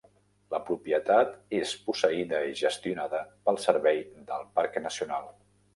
La propietat és posseïda i gestionada pel Servei del Parc Nacional.